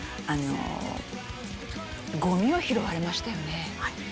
あのゴミを拾われましたよね？